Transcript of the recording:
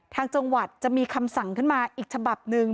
ทางจังหวัดจะมีคำสั่งขึ้นมาอีกฉบับหนึ่ง